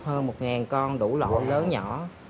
hơn một ngàn con đủ lộ lớn nhỏ